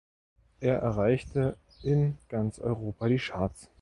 Er erreichte in ganz Europa die Charts.